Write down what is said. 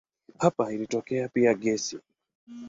Hapa ilitokea pia gesi.